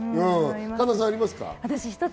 神田さん、ありますか？